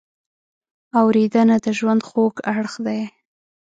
اورېدنه د ژوند خوږ اړخ دی.